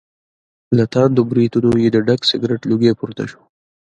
له تاندو برېتونو یې د ډک سګرټ لوګی پور ته شو.